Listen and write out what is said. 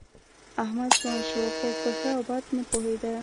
احمد ځوان شو، خو په ښه او بد نه پوهېده.